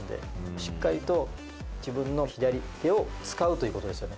しっかりと自分の左手を使うということですよね。